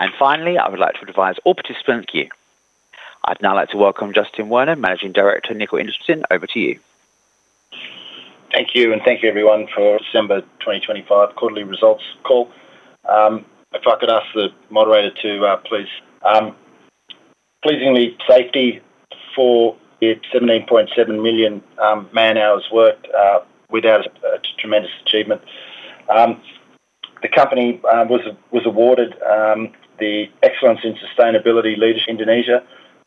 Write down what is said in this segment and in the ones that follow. And finally, I would like to advise all participants, thank you. I'd now like to welcome Justin Werner, Managing Director, Nickel Industries Limited. Over to you. Thank you, and thank you everyone for December 2025 quarterly results call. If I could ask the moderator to please. Pleasingly, safety for the 17.7 million man-hours worked without a tremendous achievement. The company was awarded the Excellence in Sustainability Leadership Indonesia,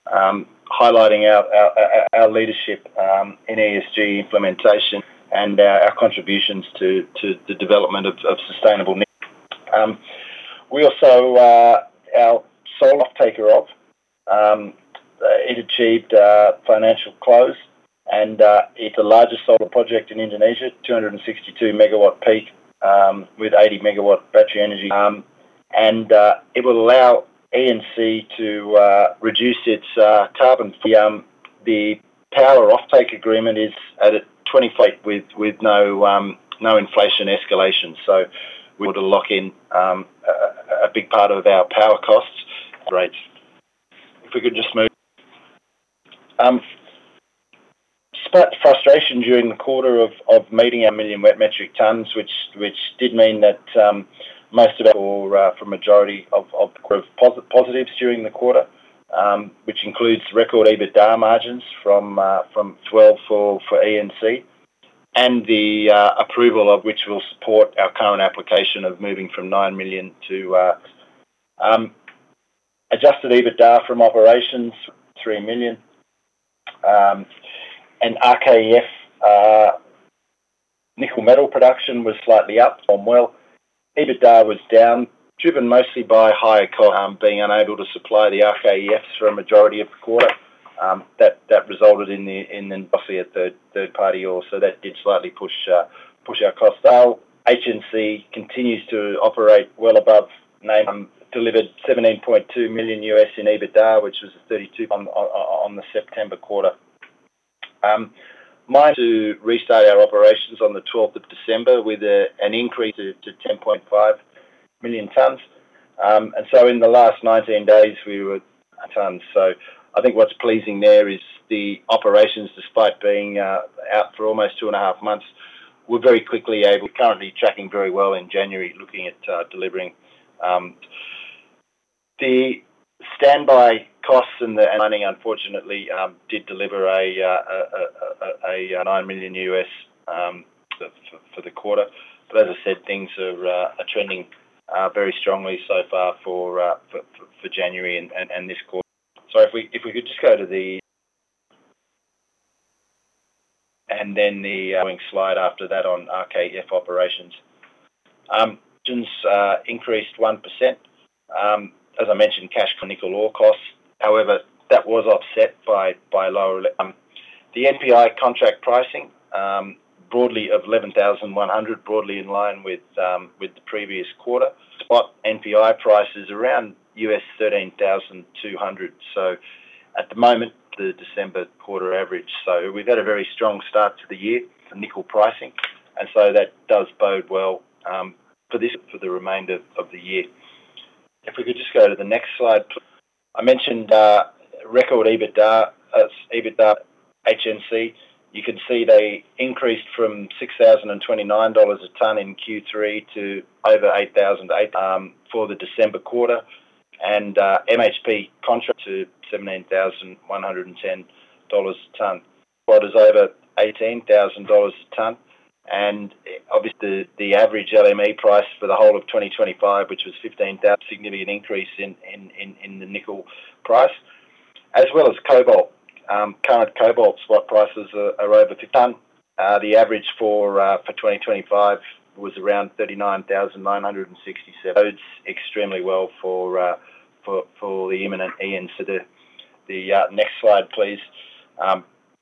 highlighting our leadership in ESG implementation and our contributions to the development of sustainable nickel. We also our Solar offtake it achieved financial close, and it is the largest solar project in Indonesia, 262 MW peak, with 80 MW battery energy. And it will allow ENC to reduce its carbon footprint. The power offtake agreement is at a 20% discount with no inflation escalation. We want to lock in a big part of our power costs. Great. If we could just move. Slight frustration during the quarter of meeting our 1 million wet metric tons, which did mean that most of our For a majority of the growth positives during the quarter, which includes record EBITDA margins from 12% for ENC and the approval of which will support our current application of moving from 9 million to. Adjusted EBITDA from operations, $3 million. And RKEF nickel metal production was slightly up from well. EBITDA was down, driven mostly by higher costs, being unable to supply the RKEFs for a majority of the quarter. That resulted in the in the- at third party or so that did slightly push our costs. HNC continues to operate well above nine, delivered $17.2 million in EBITDA, which was a 32% on the September quarter. Hengjaya Mine to restart our operations on the twelfth of December with an increase to 10.5 million tons. So in the last 19 days, we were at tons. So I think what's pleasing there is the operations, despite being out for almost two and a half months, we're very quickly. We're currently tracking very well in January, looking at delivering. The standby costs and the mining, unfortunately, did deliver a $9 million for the quarter. But as I said, things are trending very strongly so far for January and this quarter. So if we could just go to the... And then the going slide after that on RKEF operations. Increased 1%. As I mentioned, cash for nickel ore costs. However, that was offset by lower NPI contract pricing, broadly $11,100, broadly in line with the previous quarter. Spot NPI price is around $13,200. So at the moment, the December quarter average. So we've had a very strong start to the year for nickel pricing, and so that does bode well for the remainder of the year. If we could just go to the next slide, please. I mentioned record EBITDA, EBITDA HNC. You can see they increased from $6,029 a ton in Q3 to over $8,800 for the December quarter. The MHP contract to $17,110 a ton. Well, it is over $18,000 a ton. Obviously, the average LME price for the whole of 2025, which was $15,000, significant increase in the nickel price, as well as cobalt. Current cobalt spot prices are over $50,000 a ton. The average for 2025 was around $39,967. Extremely well for the imminent ENC. So the next slide, please.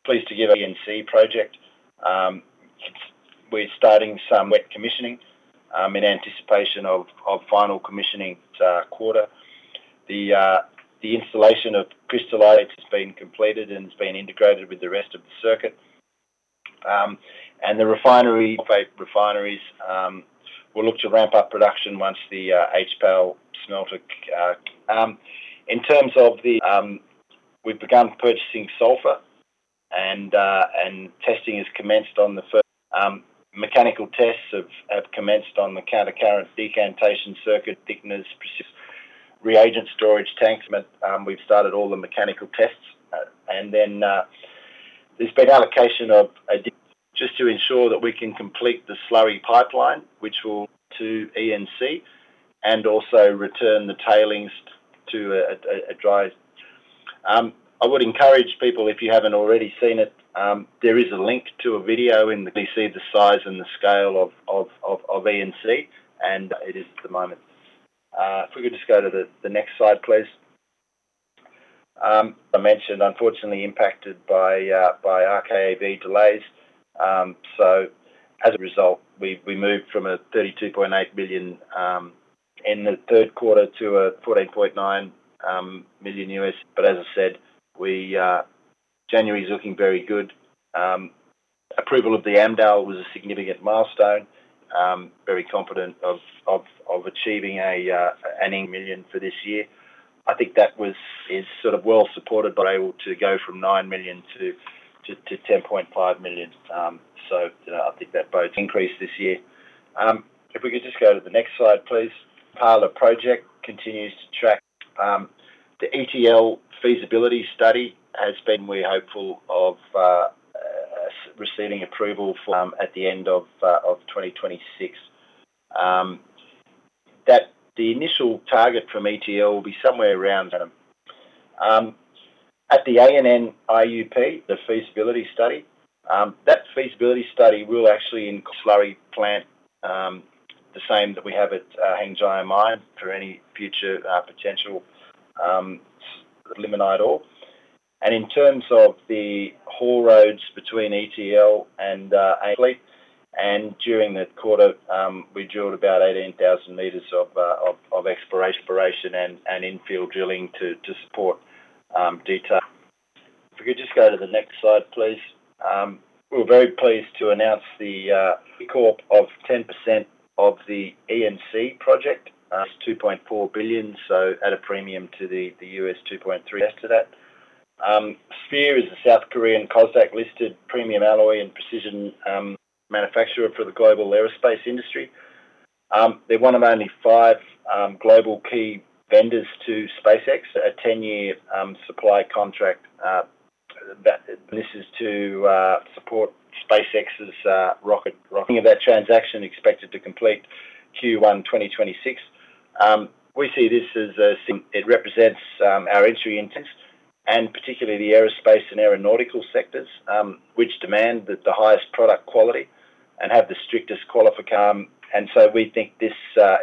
Pleased to give ENC project. We're starting some wet commissioning in anticipation of final commissioning quarter. The installation of the crystallizer has been completed and has been integrated with the rest of the circuit. The refinery, refineries, will look to ramp up production once the HPAL smelter. In terms of the, we've begun purchasing sulfur, and testing is commenced on the first mechanical tests have commenced on the counter-current decantation circuit, thickeners, precipitants, reagent storage tanks. We've started all the mechanical tests, and then, there's been allocation of additional just to ensure that we can complete the slurry pipeline, which will to ENC, and also return the tailings to a dry. I would encourage people, if you haven't already seen it, there is a link to a video in the—see the size and the scale of ENC, and it is at the moment. If we could just go to the next slide, please. I mentioned, unfortunately, impacted by RKAB delays. So as a result, we moved from a $32.8 million in the third quarter to a $14.9 million. But as I said, January is looking very good—approval of the AMDAL was a significant milestone. Very confident of achieving an $8 million for this year. I think that was, is sort of well supported, but able to go from $9 million to $10.5 million. So, I think that both increased this year. If we could just go to the next slide, please. Part of the project continues to track. The ETL feasibility study has been, we're hopeful of receiving approval from at the end of 2026. That the initial target from ETL will be somewhere around them. At the ANN IUP, the feasibility study, that feasibility study will actually include slurry plant, the same that we have at Hengjaya Mine for any future potential limonite ore. And in terms of the haul roads between ETL and ANN during the quarter, we drilled about 18,000m of exploration, exploration and infill drilling to support detail. If we could just go to the next slide, please. We're very pleased to announce the sale of 10% of the ENC project. It's $2.4 billion, so at a premium to the $2.3 after that. Sphere is a South Korean KOSDAQ-listed premium alloy and precision manufacturer for the global aerospace industry. They're one of only five global key vendors to SpaceX, a 10-year supply contract that this is to support SpaceX's rocket. That transaction expected to complete Q1 2026. We see this as a it represents our entry into and particularly the aerospace and aeronautical sectors, which demand the highest product quality and have the strictest qualifications. And so we think this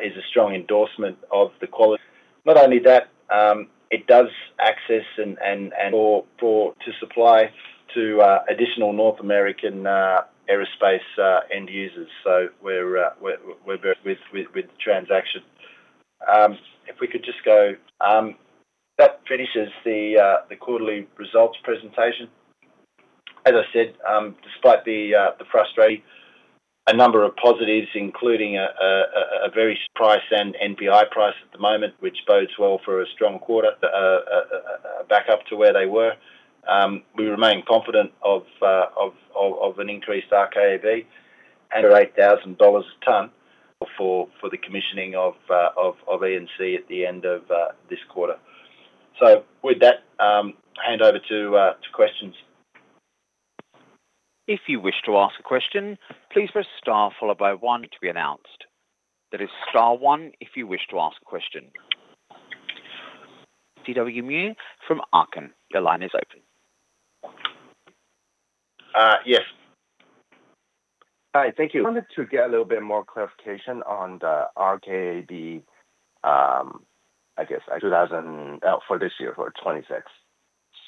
is a strong endorsement of the quality. Not only that, it does access and for to supply to additional North American aerospace end users. So we're very with the transaction. If we could just go... That finishes the quarterly results presentation. As I said, despite the frustration, a number of positives, including a very price and NPI price at the moment, which bodes well for a strong quarter back up to where they were. We remain confident of an increased RKAB and $8,000 a ton for the commissioning of ENC at the end of this quarter. So with that, hand over to questions. If you wish to ask a question, please press star followed by one to be announced. That is star one if you wish to ask a question. Chun Wai Mui from Arkkan Capital, your line is open. Uh, yes. Hi, thank you. I wanted to get a little bit more clarification on the RKAB, I guess 2024 for this year, for 2026.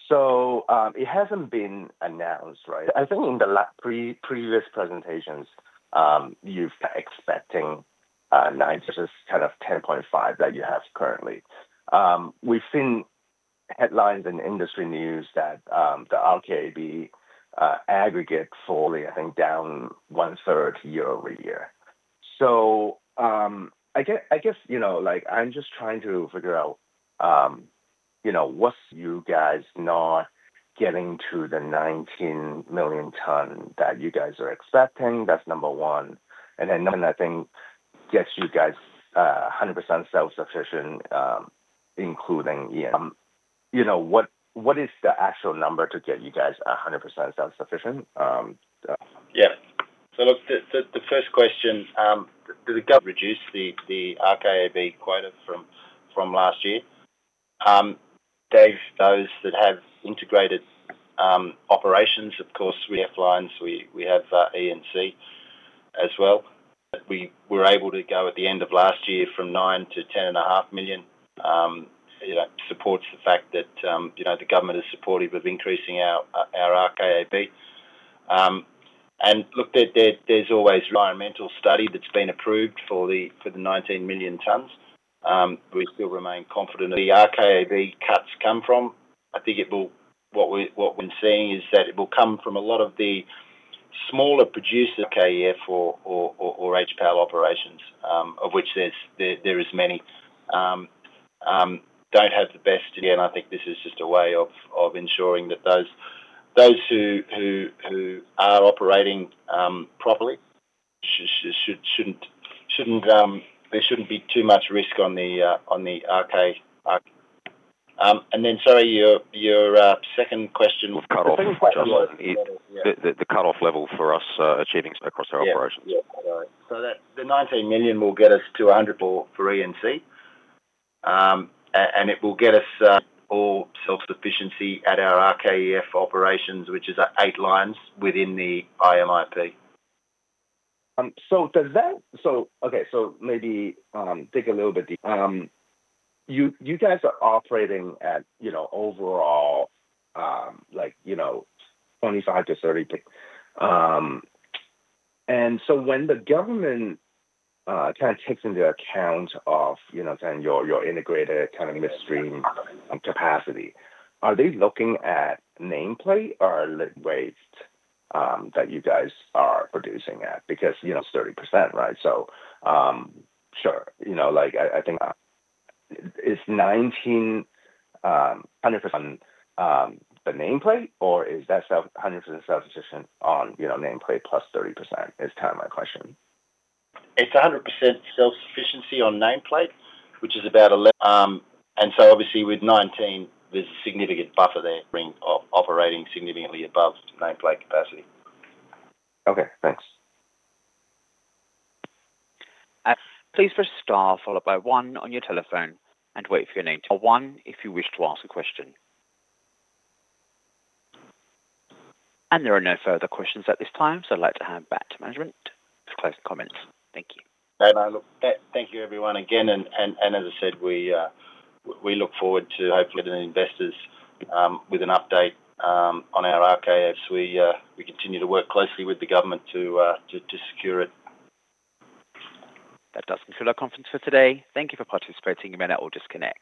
So, it hasn't been announced, right? I think in the last previous presentations, you've been expecting, 9 versus kind of 10.5 that you have currently. We've seen headlines in industry news that, the RKAB, aggregate fully, I think, down 1/3 year-over-year. So, I guess, you know, like, I'm just trying to figure out, you know, what's you guys not getting to the 19 million tons that you guys are expecting? That's number one. And then another thing, gets you guys, 100% self-sufficient, including, you know, what, what is the actual number to get you guys 100% self-sufficient? Yeah. So look, the first question, did the government reduce the RKAB quota from last year? Dave, those that have integrated operations, of course, we have lines, we have ENC as well. But we were able to go at the end of last year from 9 to 10.5 million. You know, that supports the fact that, you know, the government is supportive of increasing our RKAB. And look, there's always environmental study that's been approved for the 19 million tons. We still remain confident the RKAB cuts come from. I think it will... What we've been seeing is that it will come from a lot of the smaller producers, RKEF or HPAL operations, of which there is many. Don't have the best, and I think this is just a way of ensuring that those who are operating properly shouldn't, there shouldn't be too much risk on the RKAB. And then, sorry, your second question? The second question- Yeah. The cutoff level for us achieving across our operations. Yeah. Yeah, all right. So that the $19 million will get us to 100 for, for ENC. And it will get us all self-sufficiency at our RKEF operations, which is at 8 lines within the IMIP. So does that— So, okay, so maybe dig a little bit deep. You guys are operating at, you know, overall, like, you know, 25-30. And so when the government kind of takes into account of, you know, saying your integrated kind of midstream capacity, are they looking at nameplate or lit waste that you guys are producing at? Because, you know, it's 30%, right? So, sure. You know, like, I think is 19 100% the nameplate, or is that 100% self-sufficient on, you know, nameplate plus 30%? Is kind of my question. It's 100% self-sufficiency on nameplate, which is about 11. And so obviously with 19, there's a significant buffer there operating significantly above nameplate capacity. Okay, thanks. Please press star followed by one on your telephone and wait for your name. Or one if you wish to ask a question. There are no further questions at this time, so I'd like to hand back to management to close the comments. Thank you. Look, thank you everyone again, and as I said, we look forward to hopefully the investors with an update on our RKEF as we continue to work closely with the government to secure it. That does conclude our conference for today. Thank you for participating. You may now all disconnect.